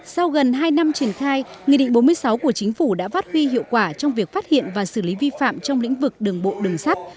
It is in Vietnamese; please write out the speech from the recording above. sau gần hai năm triển khai nghị định bốn mươi sáu của chính phủ đã phát huy hiệu quả trong việc phát hiện và xử lý vi phạm trong lĩnh vực đường bộ đường sắt